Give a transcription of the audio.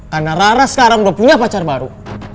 karena rara sekarang udah punya pacar baru